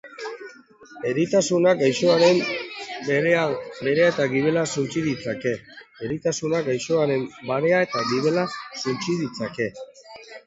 Eritasunak gaixoaren barea eta gibela suntsi ditzake.